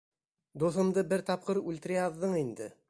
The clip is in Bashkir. — Дуҫымды бер тапҡыр үлтерә яҙҙың инде!